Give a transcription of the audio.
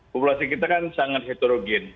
populasi kita kan sangat heterogen